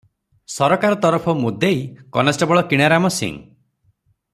ସରକାର ତରଫ ମୁଦେଇ କନେଷ୍ଟବଳ କିଣାରାମ ସିଂ ।